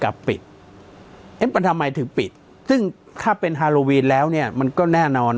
กลับปิดเอ๊ะมันทำไมถึงปิดซึ่งถ้าเป็นฮาโลวีนแล้วเนี่ยมันก็แน่นอน